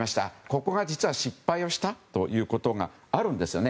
ここが実は、失敗をしたことがあるんですよね。